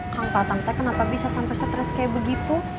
kang tatang teh kenapa bisa sampai stres kayak begitu